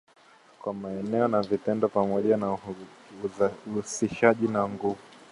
Kwa maneno na vitendo, pamoja na uhamasishaji wa nguvu.